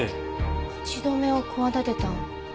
口止めを企てた。